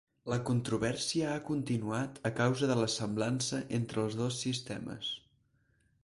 La controvèrsia ha continuat a causa de la semblança entre els dos sistemes.